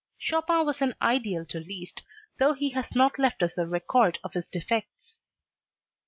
Chopin was an ideal to Liszt though he has not left us a record of his defects.